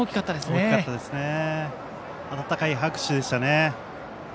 温かい拍手でしたね。